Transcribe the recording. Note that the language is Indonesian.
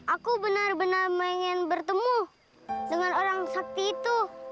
aku benar benar ingin bertemu dengan orang sakti itu